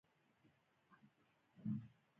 د زغر دانه د غوړ لپاره وکاروئ